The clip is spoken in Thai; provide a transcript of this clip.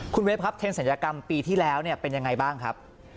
คุณเวฟครับเทรนศัลยกรรมปีที่แล้วเนี่ยเป็นยังไงบ้างครับ